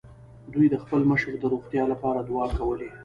دوی د خپل مشر د روغتيا له پاره دعاوې کولې.